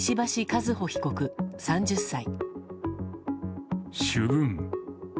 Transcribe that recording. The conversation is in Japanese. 和歩被告、３０歳。